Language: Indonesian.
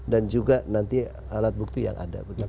dan juga nanti alat bukti yang ada